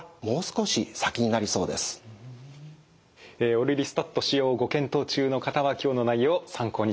オルリスタット使用をご検討中の方は今日の内容を参考にしてください。